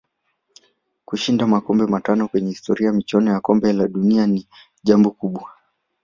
Kushinda makombe matano kwenye historia ya michuano ya kombe la dunia ni jambo kubwa